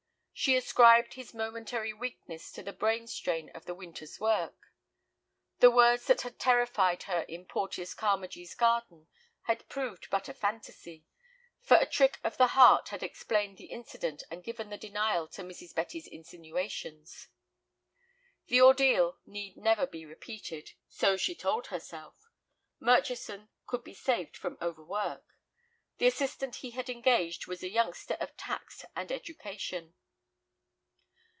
She ascribed his momentary weakness to the brain strain of the winter's work. The words that had terrified her in Porteus Carmagee's garden had proved but a fantasy, for a trick of the heart had explained the incident and given the denial to Mrs. Betty's insinuations. The ordeal need never be repeated, so she told herself. Murchison could be saved from overwork. The assistant he had engaged was a youngster of tact and education.